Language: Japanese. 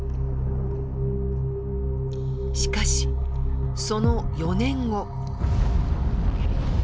しかしその４年後。